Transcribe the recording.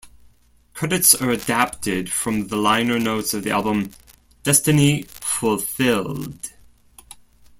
Credits are adapted from the liner notes of the album "Destiny Fulfilled".